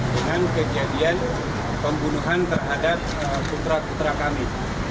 dengan kejadian pembunuhan terhadap putra putra kami